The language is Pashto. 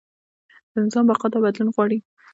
د نظام بقا دا بدلون غواړي.